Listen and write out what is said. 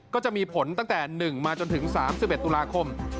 ก็จะมีผลตั้งแต่๑มาจนถึง๓๑ตุลาคม